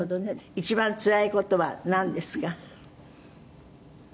一番つらい事はなんですか？